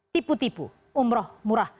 tipu tipu umroh murah